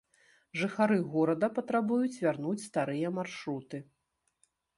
Жыхары горада патрабуюць вярнуць старыя маршруты.